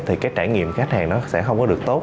thì trải nghiệm khách hàng sẽ không được tốt